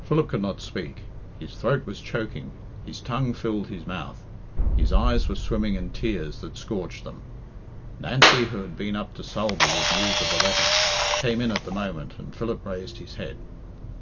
Philip could not speak. His throat was choking; his tongue filled his mouth; his eyes were swimming in tears that scorched them. Nancy, who had been up to Sulby with news of the letter, came in at the moment, and Philip raised his head.